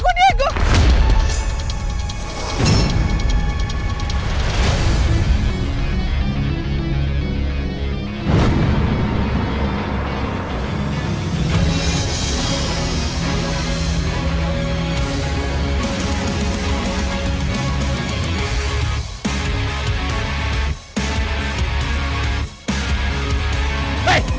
aku piliheninggannya danames vat